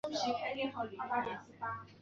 急救部门和警方随即赶往现场。